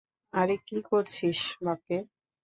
আরে কী করছিস, বাঁকে!